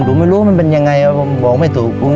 ผมไม่รู้ว่ามันเป็นยังไงผมบอกไม่ถูก